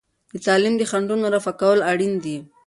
د تعلیم د خنډونو رفع کول اړین دي.